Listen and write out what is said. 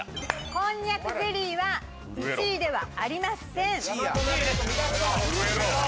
こんにゃくゼリーは１位ではありません。